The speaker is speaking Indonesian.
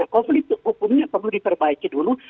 konflik hukumnya perlu diperbaiki dulu